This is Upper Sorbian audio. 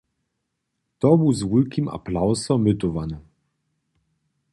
To bu z wulkim aplawsom mytowane.